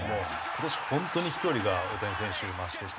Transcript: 今年本当に飛距離が大谷選手増してて。